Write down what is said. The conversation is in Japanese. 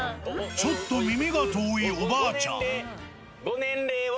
ちょっと耳が遠いおばあちゃご年齢は。